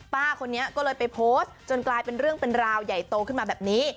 ป้าคนนี้ก็เลยไปโพสต์จนกลายเป็นเรื่องเป็นราวใหญ่โตขึ้นมาแบบนี้